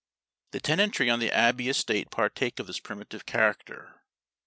The tenantry on the Abbey estate partake of this primitive character.